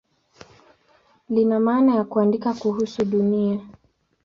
Lina maana ya "kuandika kuhusu Dunia".